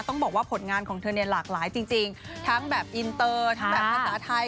ต้องบอกว่าผลงานของเธอเนี่ยหลากหลายจริงทั้งแบบอินเตอร์ทั้งแบบภาษาไทย